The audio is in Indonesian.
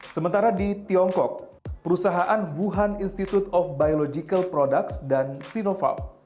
sementara di tiongkok perusahaan wuhan institute of biological products dan sinovac